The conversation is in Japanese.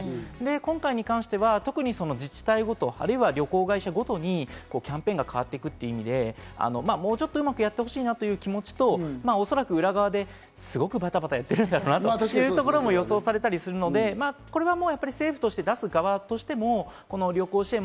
今回に関しては自治体ごと、あるいは旅行会社ごとにキャンペーンが変わっていくっていう意味で、もうちょっとうまくやってほしいなっていう気持ちと、裏側ですごくバタバタやってるんだろうなっていうところも予想されたりするのでやっぱり政府として出す側としても旅行支援